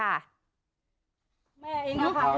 อ้าวไม่มันจะเห็น